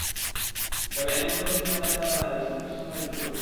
তবে এমন কোনো দেশে রপ্তানি করা যাবে না, যারা সন্ত্রাসের সঙ্গে যুক্ত।